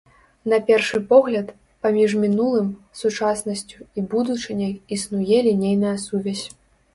На першы погляд, паміж мінулым, сучаснасцю і будучыняй існуе лінейная сувязь.